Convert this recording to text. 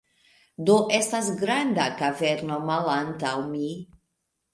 Do, estas granda kaverno malantaŭ mi